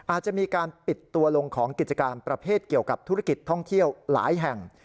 อาจจะมีการปิดตัวลงของกิจการประเภทเกี่ยวกับธุรกิจท่องเที่ยวหลายแห่ง